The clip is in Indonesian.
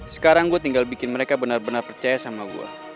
sekarang gue tinggal bikin mereka benar benar percaya sama gue